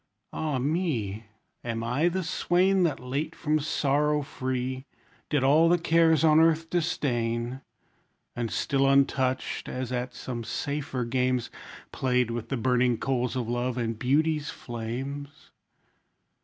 Ah me! Am I the swain That late from sorrow free Did all the cares on earth disdain? And still untouched, as at some safer games, Played with the burning coals of love, and beauty's flames?